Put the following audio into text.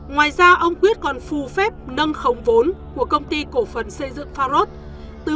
ngoài ra ông quyết còn phù phép nâng khống vốn của công ty cổ phần xây dựng farod từ một một trăm chín mươi bảy tỷ đồng lên đến bốn ba trăm linh tỷ đồng